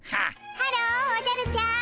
ハローおじゃるちゃん。